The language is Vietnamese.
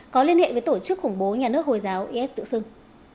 có liên hệ với tổ chức khủng bố nhà nước hồi giáo is tự xưng